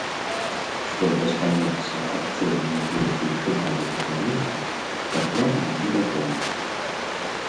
Што застанецца ад чорнай дзіркі ў фінале выпарэння, дакладна не вядома.